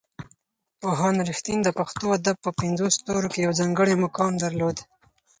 پوهاند رښتین د پښتو ادب په پنځو ستورو کې یو ځانګړی مقام درلود.